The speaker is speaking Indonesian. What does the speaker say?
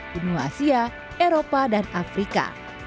benua asia eropa dan afrika